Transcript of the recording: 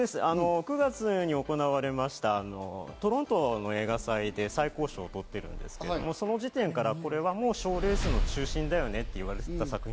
９月に行われましたトロントの映画祭で最高賞を取ってるんですけど、その時点からこれはもう賞レースの中心だよねと言われていた作品。